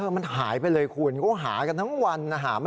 มันหายไปเลยคุณก็หากันทั้งวัน